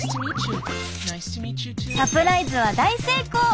サプライズは大成功！